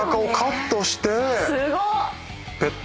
すごっ！